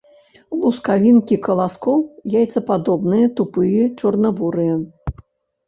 Лускавінкі каласкоў яйцападобныя, тупыя, чорна-бурыя.